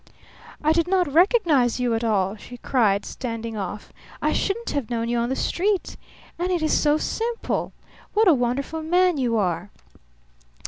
"I did not recognize you at all!" she cried, standing off. "I shouldn't have known you on the street. And it is so simple. What a wonderful man you are!"